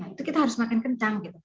itu kita harus makin kencang